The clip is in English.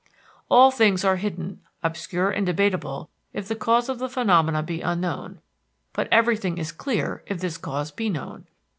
All things are hidden, obscure and debatable if the cause of the phenomena be unknown, but everything is clear if this cause be known.